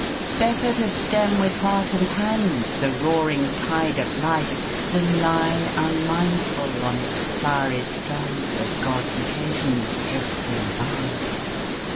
] Better to stem with heart and hand The roaring tide of life, than lie, Unmindful, on its flowery strand, Of God's occasions drifting by!